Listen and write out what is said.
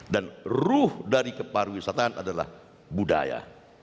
dan ruh dari kepariwisataan adalah budaya